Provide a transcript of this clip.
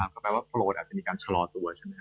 ก็แปลว่าโฟร์ทอาจจะมีการชะลอตัวใช่มั้ย